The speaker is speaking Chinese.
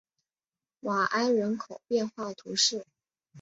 瓦埃人口变化图示